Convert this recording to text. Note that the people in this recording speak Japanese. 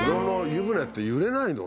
湯船って揺れないの？